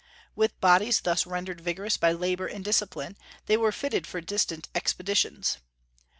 With bodies thus rendered vigorous by labor and discipline, they were fitted for distant expeditions.